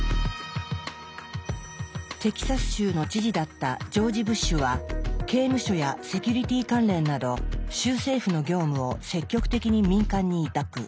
テキサス州の知事だったジョージ・ブッシュは刑務所やセキュリティ関連など州政府の業務を積極的に民間に委託。